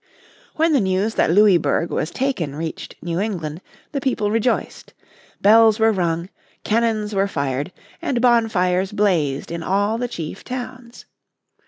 When the news that Louisburg was taken reached New England the people rejoiced. Bells were rung, cannons were fired and bonfires blazed in all the chief towns.